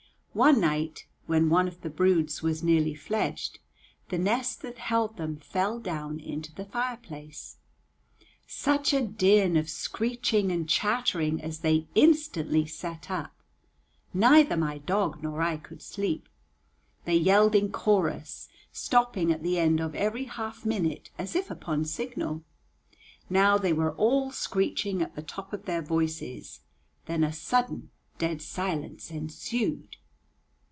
One night, when one of the broods was nearly fledged, the nest that held them fell down into the fireplace. Such a din of screeching and chattering as they instantly set up! Neither my dog nor I could sleep. They yelled in chorus, stopping at the end of every half minute as if upon signal. Now they were all screeching at the top of their voices, then a sudden, dead silence ensued.